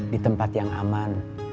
di tempat yang aman